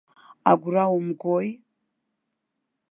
Агәра умгои?